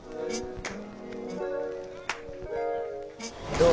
どう？